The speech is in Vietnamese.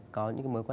có những cái mọi người